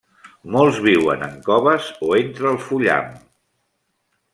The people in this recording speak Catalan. Molts viuen en coves o entre el fullam.